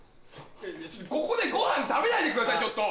ここでごはん食べないでくださいちょっと！